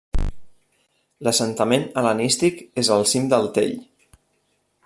L'assentament hel·lenístic és al cim del tell.